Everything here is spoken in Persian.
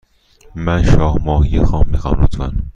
من شاه ماهی خام می خواهم، لطفا.